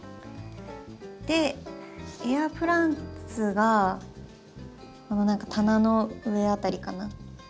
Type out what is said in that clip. でエアプランツがこの何か棚の上辺りかな。